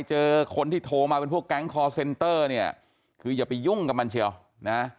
เจอคนที่โทรมาเป็นพวกแก๊งคอร์เซนเตอร์เนี่ยคืออย่าไปยุ่งกับมันเชียวนะ